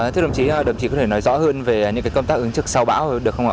thưa đồng chí đồng chí có thể nói rõ hơn về những công tác ứng trực sau bão được không ạ